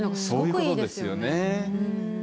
そういうことですよね。